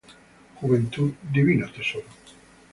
Juventud, divino tesoro